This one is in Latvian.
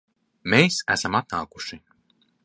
Mēs esam atnākuši